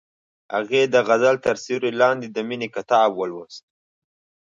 هغې د غزل تر سیوري لاندې د مینې کتاب ولوست.